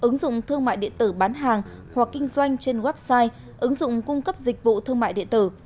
ứng dụng thương mại điện tử bán hàng hoặc kinh doanh trên website ứng dụng cung cấp dịch vụ thương mại điện tử